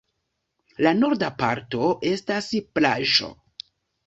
La norda parto estas plaĝo.